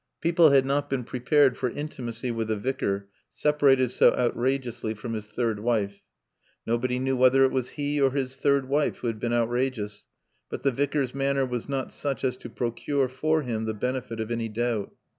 People had not been prepared for intimacy with a Vicar separated so outrageously from his third wife. Nobody knew whether it was he or his third wife who had been outrageous, but the Vicar's manner was not such as to procure for him the benefit of any doubt.